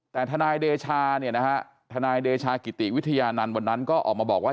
แต่ธนายเดชาธนายเดชากิติวิทยานันต์วันนั้นก็ออกมาบอกว่า